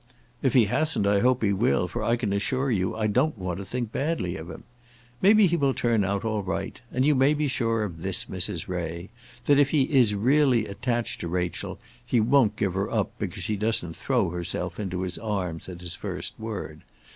"If he hasn't I hope he will, for I can assure you I don't want to think badly of him. Maybe he will turn out all right. And you may be sure of this, Mrs. Ray, that if he is really attached to Rachel he won't give her up, because she doesn't throw herself into his arms at his first word.